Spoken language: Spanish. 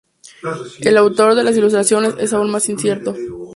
El autor de las ilustraciones es aún más incierto.